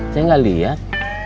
ceng gak liat